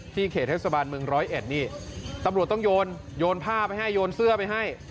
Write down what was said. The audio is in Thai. เขตเทศบาลเมืองร้อยเอ็ดนี่ตำรวจต้องโยนโยนผ้าไปให้โยนเสื้อไปให้